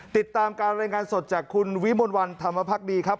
ติดตามการรายงานสดจากคุณวิมลวันธรรมภักดีครับ